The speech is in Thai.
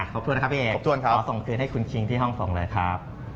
ขอบคุณนะครับพี่เอกชวนเขาส่งคืนให้คุณคิงที่ห้องส่งเลยครับ